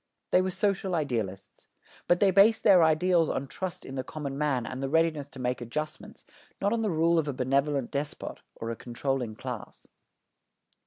They were social idealists. But they based their ideals on trust in the common man and the readiness to make adjustments, not on the rule of a benevolent despot or a controlling class.